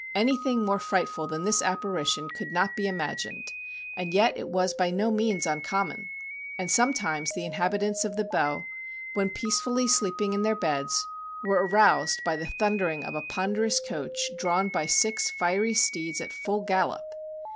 Anything more frightful than this apparition could not be imagined, and yet it was by no means uncommon. And sometimes the inhabitants of the Bow, when peacefully sleeping in their beds, were aroused by the thundering of a ponderous coach, drawn by six fiery steeds at full gallop.